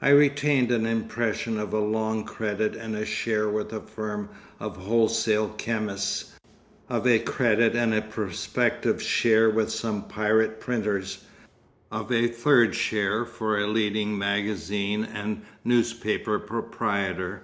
I retain an impression of a long credit and a share with a firm of wholesale chemists, of a credit and a prospective share with some pirate printers, of a third share for a leading magazine and newspaper proprietor.